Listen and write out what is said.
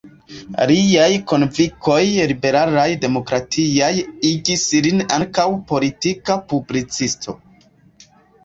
Liaj konvinkoj liberalaj-demokratiaj igis lin ankaŭ politika publicisto.